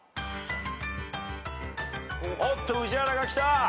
おっと宇治原がきた。